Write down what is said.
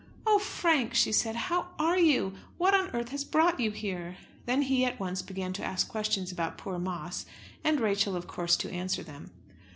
"Oh, Frank!" she said, "how are you? What on earth has brought you here?" Then he at once began to ask questions about poor Moss, and Rachel of course to answer them.